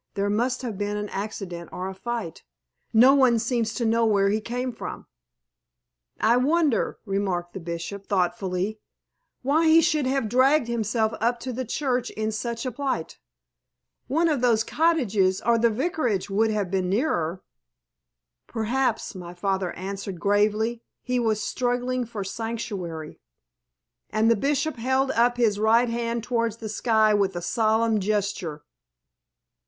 "There must have been an accident or a fight. No one seems to know where he came from." "I wonder," remarked the Bishop, thoughtfully, "why he should have dragged himself up to the church in such a plight. One of those cottages or the Vicarage would have been nearer." "Perhaps," my father answered, gravely, "he was struggling for sanctuary." And the Bishop held up his right hand towards the sky with a solemn gesture.